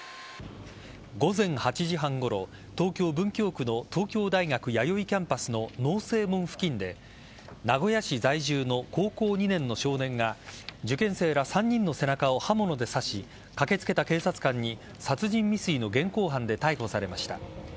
午前８時半ごろ東京・文京区の東京大学弥生キャンパスの農正門付近で名古屋市在住の高校２年の少年が受験生ら３人の背中を刃物で刺し駆けつけた警察官に殺人未遂の現行犯で逮捕されました。